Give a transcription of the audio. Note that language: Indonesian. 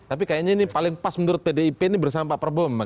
tapi kayaknya ini paling pas menurut pdip ini bersama pak prabowo